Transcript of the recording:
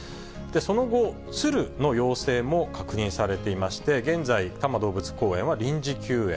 その後、ツルの陽性も確認されていまして、現在、多摩動物公園は臨時休園。